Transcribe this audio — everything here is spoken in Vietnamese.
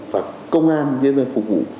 và công an nhân dân phục vụ